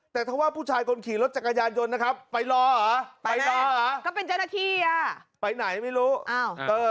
แต่ถ้าว่าผู้ชายคนขี่รถจักรยานยนต์นะครับไปรอเหรอไปรอเหรอ